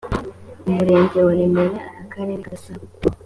umurenge wa remera akarere ka gasabo